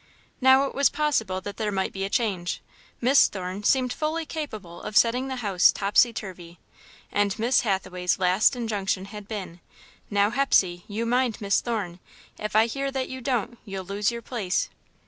Now it was possible that there might be a change. Miss Thorne seemed fully capable of setting the house topsy turvy and Miss Hathaway's last injunction had been: "Now, Hepsey, you mind Miss Thorne. If I hear that you don't, you'll lose your place."